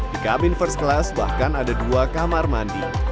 di kabin first class bahkan ada dua kamar mandi